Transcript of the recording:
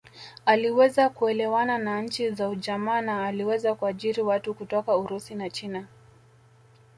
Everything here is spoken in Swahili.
Aliweza kuelewana na nchi za ujamaa na aliweza kuajiri watu kutoka Urusi na China